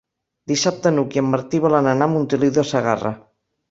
Dissabte n'Hug i en Martí volen anar a Montoliu de Segarra.